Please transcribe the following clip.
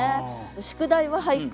「宿題は俳句」